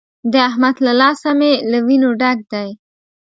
د احمد له لاسه مې له وينو ډک دی.